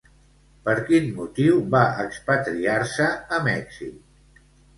Per quin motiu va expatriar-se a Mèxic?